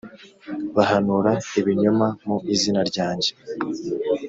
bahanura ibinyoma mu izina ryanjye